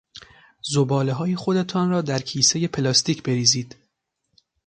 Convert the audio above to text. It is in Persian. زبالههای خودتان را در کیسهی پلاستیک بریزید.